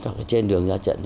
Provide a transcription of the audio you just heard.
hoặc trên đường ra trận